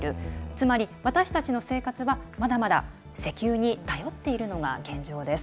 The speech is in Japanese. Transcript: つまり、私たちの生活はまだまだ石油に頼っているのが現状です。